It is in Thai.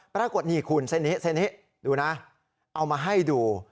ปรากฏนี่คุณเส้นนี้เส้นนี้ดูนะเอามาให้ดู